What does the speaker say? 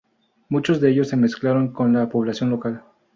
Muchos de ellos se mezclaron con la población local.